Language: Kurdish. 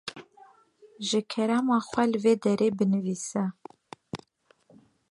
Ji kerema xwe li vê derê binivîse